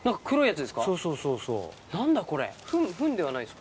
そうそうそうそう。